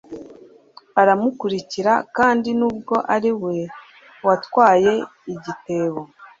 aramukurikira kandi nubwo ari we watwaye igitebo